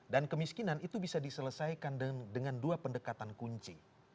dan kemiskinan itu bisa diselesaikan dengan dua pendekatan kunci